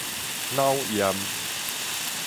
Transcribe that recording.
腦炎